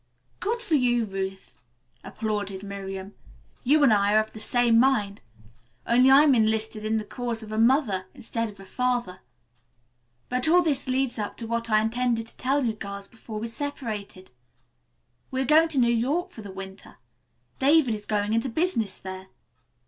"Good for you, Ruth," applauded Miriam. "You and I are of the same mind. Only I'm enlisted in the cause of a mother instead of a father. But all this leads up to what I intended to tell you girls before we separated. We are going to New York City for the winter. David is going into business there."